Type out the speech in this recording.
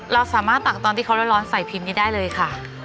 เราสามารถตักตอนที่เขาร้อนใส่พิมพ์นี้ได้เลยค่ะ